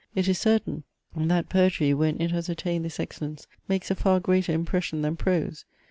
It is certain, that poetry when it has attained this excellence makes a far greater impression than prose.